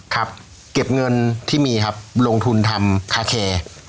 ครับเก็บเงินที่มีครับลงทุนทำคาแคร์